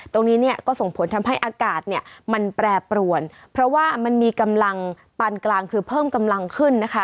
ตรงนี้เนี่ยก็ส่งผลทำให้อากาศเนี่ยมันแปรปรวนเพราะว่ามันมีกำลังปานกลางคือเพิ่มกำลังขึ้นนะคะ